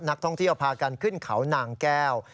นักท่องเที่ยวพากันขึ้นเขานางแก้ว